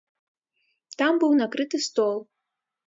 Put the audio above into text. Там быў накрыты стол.